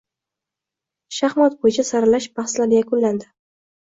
Shaxmat bo‘yicha saralash bahslari yakunlandia